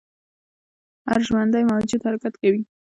هر ژوندی موجود حرکت کوي